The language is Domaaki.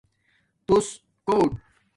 تُوس کݹٹ